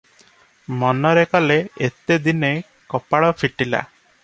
ମନରେ କଲେ, ଏତେ ଦିନେ କପାଳ ଫିଟିଲା ।